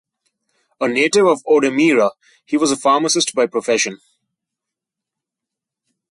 A native of Odemira, he was a pharmacist by profession.